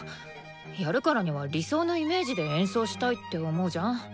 やるからには理想のイメージで演奏したいって思うじゃん？